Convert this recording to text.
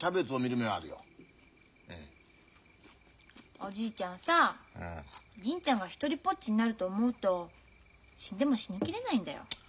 おじいちゃんさ銀ちゃんが独りぽっちになると思うと死んでも死に切れないんだよ。